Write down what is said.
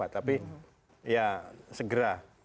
tapi ya segera